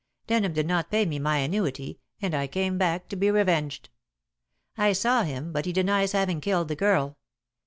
Denham did not pay me my annuity, and I came back to be revenged. I saw him, but he denies having killed the girl.